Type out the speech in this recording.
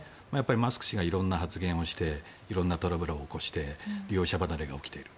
マスク氏が色々な発言をして色々なトラブルを起こして利用者離れが起きている。